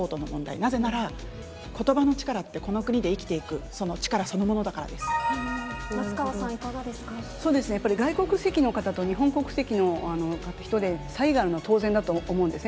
なぜなら、子どもの力ってこの国で生きていく、その力、そのもの松川さん、外国籍の方と日本国籍の人で、差異があるの当然だと思うんですね。